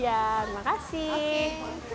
iya terima kasih